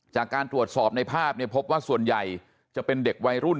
จากการตรวจสอบในภาพเนี่ยพบว่าส่วนใหญ่จะเป็นเด็กวัยรุ่น